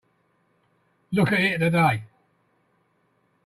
Look at it today.